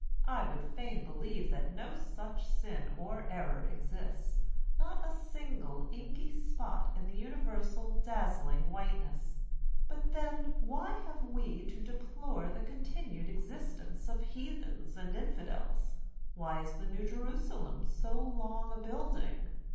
I would fain believe that no such sin or error exists, not a single inky spot in the universal dazzling whiteness; but then why have we to deplore the continued existence of heathens and infidels? why is the New Jerusalem so long a building?